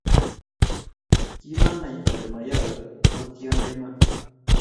Kimanai Ole mayowe ko tiondo iman